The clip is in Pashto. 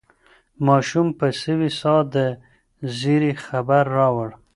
ماشوم په سوې ساه د زېري خبر راوړ.